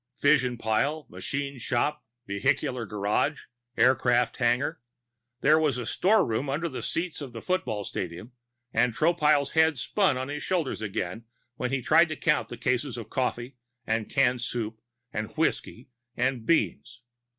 Fusion pile, machine shop, vehicular garage, aircraft hangar. There was a storeroom under the seats of a football stadium, and Tropile's head spun on his shoulders again as he tried to count the cases of coffee and canned soups and whiskey and beans.